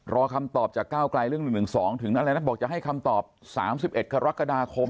คำตอบจากก้าวกลายเรื่อง๑๑๒ถึงอะไรนะบอกจะให้คำตอบ๓๑กรกฎาคม